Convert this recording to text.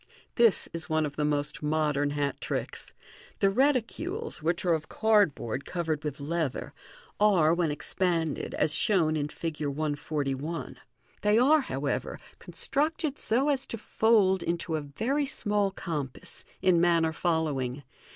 — This is one of the most modern hat tricks. The reticules, which are of cardboard covered with leather, are, when expanded, as shown in Fig. 141. They are, however, constructed so as to fold into a very small compass, in manner following.